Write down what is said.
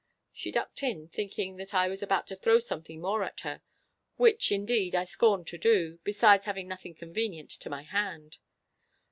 She ducked in, thinking that I was about to throw something more at her—which, indeed, I scorned to do, besides having nothing convenient to my hand.